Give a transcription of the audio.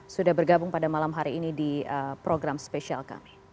sudah bergabung pada malam hari ini di program spesial kami